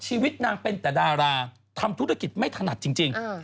ชีวิตนางเป็นแต่ดาราทำธุรกิจไม่ถนัดจริง